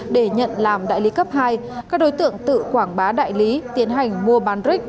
để nhận làm đại lý cấp hai các đối tượng tự quảng bá đại lý tiến hành mua bán ric